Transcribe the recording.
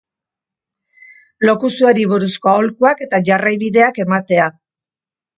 Lokuzioari buruzko aholkuak eta jarraibideak ematea.